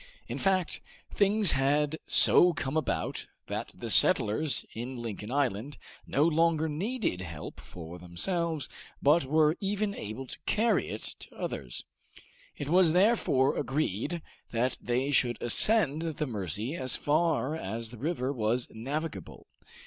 In fact, things had so come about that the settlers in Lincoln Island no longer needed help for themselves, but were even able to carry it to others. It was therefore agreed that they should ascend the Mercy as far as the river was navigable.